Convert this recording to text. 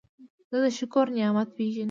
زه د شکر نعمت پېژنم.